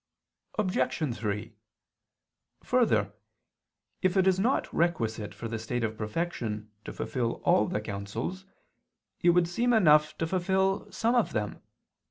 Obj. 3: Further, if it is not requisite for the state of perfection to fulfil all the counsels, it would seem enough to fulfil some of them.